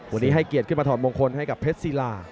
วันนี้ให้เกียรติขึ้นมาถอดมงคลให้กับเพชรศิลา